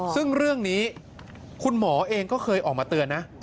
ซึ่งเรื่องนี้คุณหมอเองก็เคยออกมาเตือนนะ